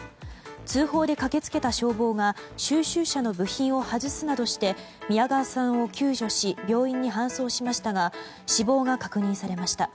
通報で駆け付けた消防が収集車の部品を外すなどして宮川さんを救助し病院に搬送しましたが死亡が確認されました。